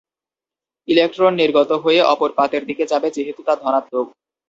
Electron নির্গত হয়ে অপর পাতের দিকে যাবে যেহেতু তা ধনাত্মক।